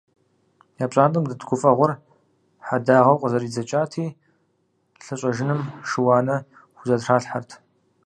Я пщӏантӏэм дэт гуфӏэгъуэр хьэдагъэу къызэридзэкӏати, лъы щӏэжыным шы-уанэ хузэтралъхьэрт.